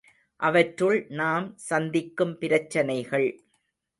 அவற்றுள் நாம் சந்திக்கும் பிரச்சனைகள்.